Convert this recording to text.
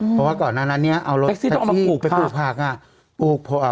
เพราะว่าก่อนนั้นนี้เอารถแท็กซี่ไปปลูกผัก